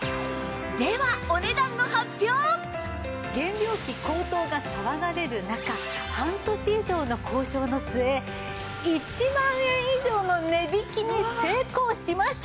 では原料費高騰が騒がれる中半年以上の交渉の末１万円以上の値引きに成功しました！